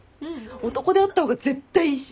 男手あった方が絶対いいし。